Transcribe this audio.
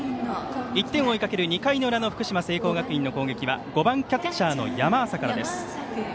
１点を追いかける２回裏の福島・聖光学院の攻撃は５番キャッチャーの山浅からです。